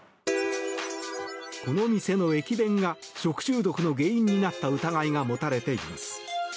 この店の駅弁が食中毒の原因になった疑いが持たれています。